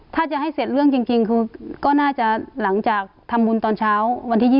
ถ้าจะให้เสร็จเรื่องจริงคือก็น่าจะหลังจากทำบุญตอนเช้าวันที่๒๒